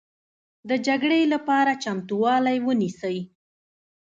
د جګړې لپاره چمتوالی ونیسئ